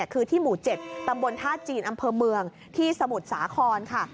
คือที่หมู่๗ตำบลท่าจีนอำเภอเมืองที่สมุทรสาครค่ะ